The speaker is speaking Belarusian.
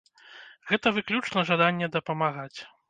Гэта выключна жаданне дапамагаць.